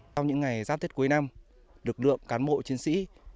sau những ngày giáp tết cuối năm được lượm cán bộ chiến sĩ